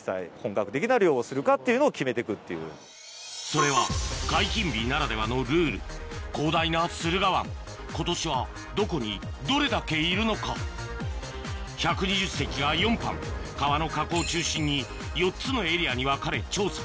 それは解禁日ならではのルール広大な駿河湾今年はどこにどれだけいるのか１２０隻が４班川の河口を中心に４つのエリアに分かれ調査